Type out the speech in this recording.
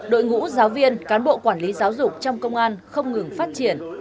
đội ngũ giáo viên cán bộ quản lý giáo dục trong công an không ngừng phát triển